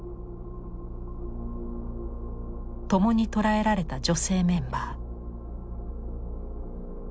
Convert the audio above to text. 共に捕らえられた女性メンバー。